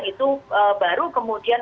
itu baru kemudian